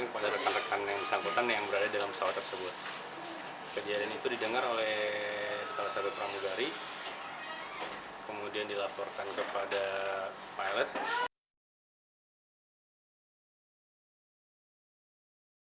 pertama kali pesawat mengalami lima belas menit keterlambatan